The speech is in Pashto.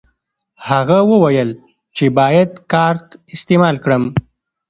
هغه وویل چې باید کارت استعمال کړم.